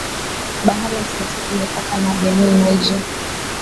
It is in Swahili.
Bahari Atlantiki Imepakana na Benin Niger